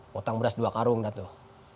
ngutang beras dua karung dah tuh